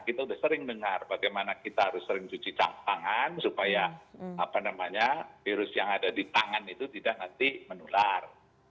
kita sudah sering dengar bagaimana kita harus sering cuci tangan supaya virus yang ada di tangan itu tidak nanti menular